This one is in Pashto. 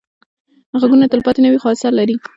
غږونه تلپاتې نه وي، خو اثر لري